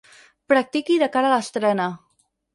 Practiqui de cara a l'estrena.